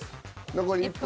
残り１分。